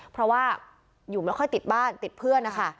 เพราะว่าอยู่ไม่ค่อยติดบ้านติดเพื่อนนะคะ